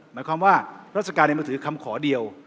หมายความว่าราชการในมือถือคำขอเดียว